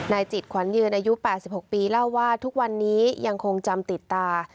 จิตขวัญยืนอายุ๘๖ปีเล่าว่าทุกวันนี้ยังคงจำติดตา